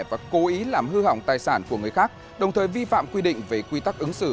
và cố ý làm hư hỏng tài sản của người khác đồng thời vi phạm quy định về quy tắc ứng xử